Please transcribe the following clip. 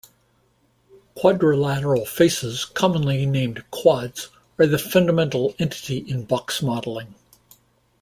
Quadrilateral faces, commonly named "quads", are the fundamental entity in box modeling.